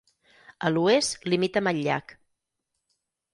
A l'oest limita amb el llac.